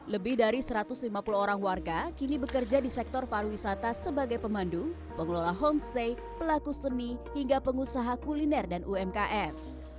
lebih dari satu ratus lima puluh orang warga kini bekerja di sektor pariwisata sebagai pemandu pengelola homestay pelaku seni hingga pengusaha kuliner dan umkm